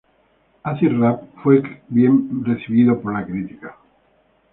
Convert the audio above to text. Acid Rap fue bien recibido por la crítica.